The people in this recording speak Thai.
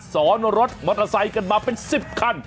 ซ้อนรถมอเตอร์ไซค์กันมาเป็น๑๐คัน